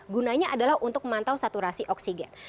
gunanya adalah untuk memantau saturasi oksigen